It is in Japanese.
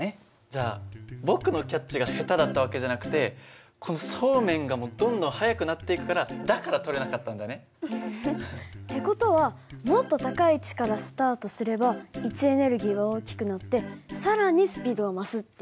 じゃあ僕のキャッチが下手だった訳じゃなくてこのそうめんがどんどん速くなっていくからだから取れなかったんだね。って事はもっと高い位置からスタートすれば位置エネルギーが大きくなって更にスピードは増すっていう事？